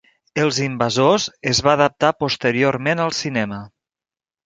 "Els invasors" es va adaptar posteriorment al cinema.